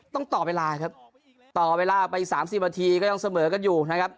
ต่อเวลาครับต่อเวลาไปอีก๓๐นาทีก็ยังเสมอกันอยู่นะครับ